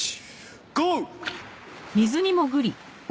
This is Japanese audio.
ゴー！